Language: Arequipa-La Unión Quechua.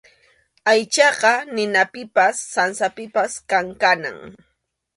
Aychaqa ninapipas sansapipas kankanam.